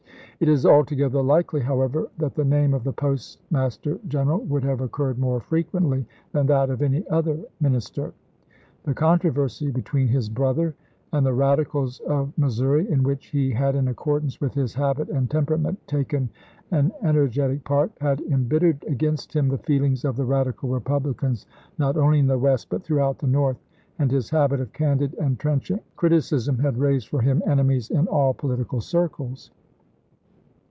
It is altogether likely, how ever, that the name of the Postmaster General would have occurred more frequently than that of any other minister. The controversy between his brother and the Radicals of Missouri, in which he had, in accordance with his habit and temperament, taken an energetic part, had embittered against him the feelings of the radical Republicans, not only in the West, but throughout the North, and his habit of candid and trenchant criticism had raised for him enemies in all political circles.